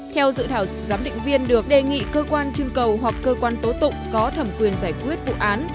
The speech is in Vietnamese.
theo dự thảo giám định viên được đề nghị cơ quan chưng cầu hoặc cơ quan tố tụng có thẩm quyền giải quyết vụ án